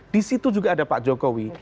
disitu juga ada pak jokowi